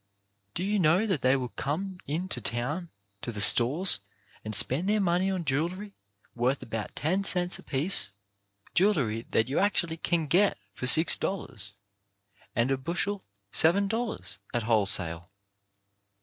Do you know that they will come in to town to the stores, and spend their money on jewellery worth about ten cents apiece, jewellery that you actually can get for six dollars and seven dollars a bushel at wholesale?